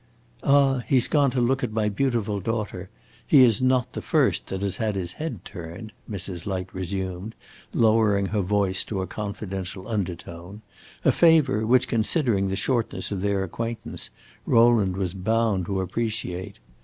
"Ah, he 's gone to look at my beautiful daughter; he is not the first that has had his head turned," Mrs. Light resumed, lowering her voice to a confidential undertone; a favor which, considering the shortness of their acquaintance, Rowland was bound to appreciate.